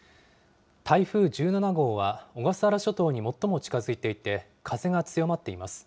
台風１７号は、小笠原諸島に最も近づいていて、風が強まっています。